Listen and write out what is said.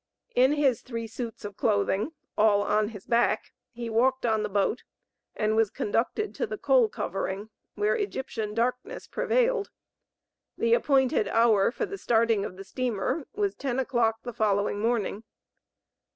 In his three suits of clothing (all on his back), he walked on the boat, and was conducted to the coal covering, where Egyptian darkness prevailed. The appointed hour for the starting of the steamer, was ten o'clock the following morning.